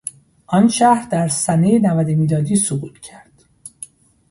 آن شهر در سنهی نود میلادی سقوط کرد.